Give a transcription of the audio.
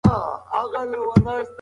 آیا قمري په ونې کې ځالۍ جوړوي؟